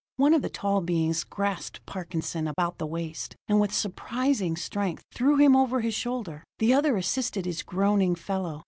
One of the tall beings grasped Parkinson about the waist, and with surprising strength, threw him over his shoulder. The other assisted his groaning fellow.